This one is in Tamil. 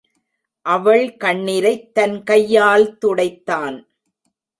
அவள் கண்ணிரைத் தன் கையால் துடைத்தான்.